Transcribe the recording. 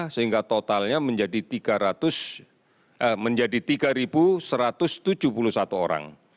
sehingga totalnya menjadi tiga satu ratus tujuh puluh satu orang